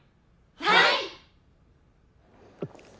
はい！